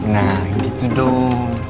nah gitu dong